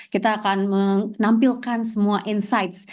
kita akan menampilkan semua insights